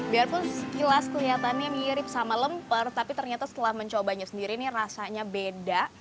biarpun sekilas kelihatannya mirip sama lemper tapi ternyata setelah mencobanya sendiri ini rasanya beda